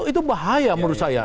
itu bahaya menurut saya